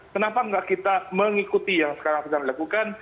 kenapa tidak kita mengikuti yang sekarang kita lakukan